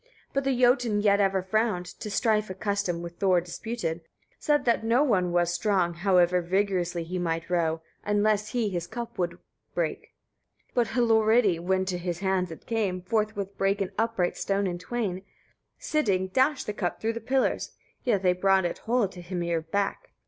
28. But the Jotun yet ever frowned, to strife accustomed, with Thor disputed, said that no one was strong, however vigorously he might row, unless he his cup could break. 29. But Hlorridi, when to his hands it came, forthwith brake an upright stone in twain; sitting dashed the cup through the pillars: yet they brought it whole to Hymir back.